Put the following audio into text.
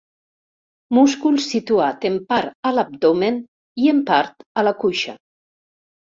Múscul situat en part a l'abdomen i en part a la cuixa.